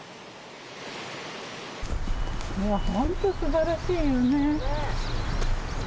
本当すばらしいよね。